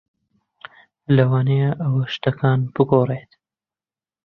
لەوانەیە ئەوە شتەکان بگۆڕێت.